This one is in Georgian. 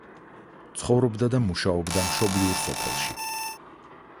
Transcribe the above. ცხოვრობდა და მუშაობდა მშობლიურ სოფელში.